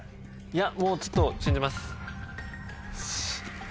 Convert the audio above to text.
もうちょっと信じます。